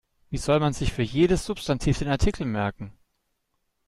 Wie soll man sich für jedes Substantiv den Artikel merken?